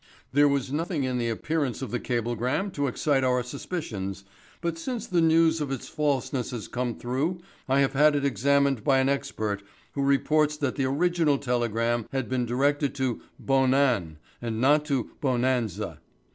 "There was nothing in the appearance of the cablegram to excite our suspicions, but since the news of its falseness has come through I have had it examined by an expert who reports that the original telegram had been directed to 'Bonan,' and not to 'Bonanza.'